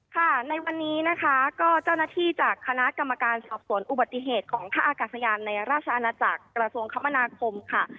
ค่ะในวันนี้นะคะก็เจ้าหน้าที่จากคณะกรรมการสอบสวนอุบัติเหตุของท่าอากาศยานในราชอาณาจักรกระทรวงคมนาคมค่ะ